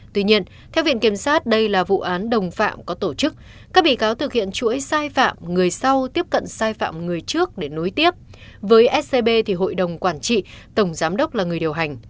tuy nhiên theo viện kiểm sát đây là vụ án đồng phạm có tổ chức các bị cáo thực hiện chuỗi sai phạm người sau tiếp cận sai phạm người trước để nối tiếp với scb thì hội đồng quản trị tổng giám đốc là người điều hành